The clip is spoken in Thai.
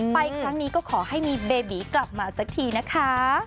ไปครั้งนี้ก็ขอให้มีเบบีกลับมาสักทีนะคะ